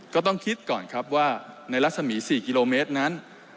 ก็ต้องคิดก่อนครับว่าในรัศมี๔กิโลเมตรนั้น